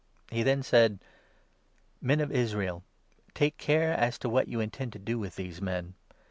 He then said : 35 " Men of Israel, take care as to what you intend to do with these men.